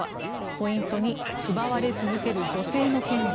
ポイント２奪われ続ける女性の権利。